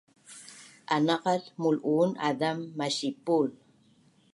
anaqat mul’uun azam masipul